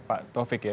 pak tovik ya